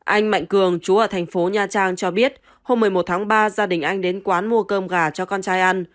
anh mạnh cường chú ở thành phố nha trang cho biết hôm một mươi một tháng ba gia đình anh đến quán mua cơm gà cho con trai ăn